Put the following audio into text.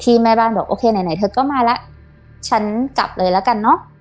แม่บ้านบอกโอเคไหนไหนเธอก็มาแล้วฉันกลับเลยแล้วกันเนอะ